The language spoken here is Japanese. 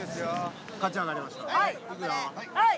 はい！